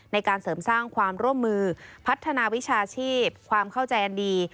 ในการเสริมสร้างความร่วมมือพัฒนาวิชาชีพความเข้าใจอันดี